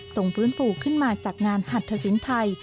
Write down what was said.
ส่งฟื้นฝูกขึ้นมาจากงานหัดทศิลป์ไทย